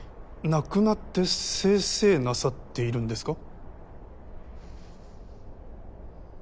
亡くなってせいせいなさっているんですか。